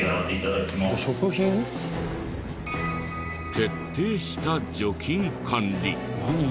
徹底した除菌管理。